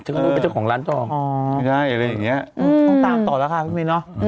ต้องตามต่อเลยค่ะพี่มีน